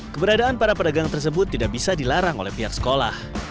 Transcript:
keberadaan para pedagang tersebut tidak bisa dilarang oleh pihak sekolah